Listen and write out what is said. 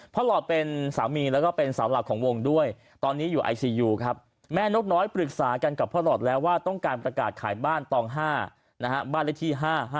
หลอดเป็นสามีแล้วก็เป็นสาวหลักของวงด้วยตอนนี้อยู่ไอซียูครับแม่นกน้อยปรึกษากันกับพ่อหลอดแล้วว่าต้องการประกาศขายบ้านตอง๕นะฮะบ้านเลขที่๕๕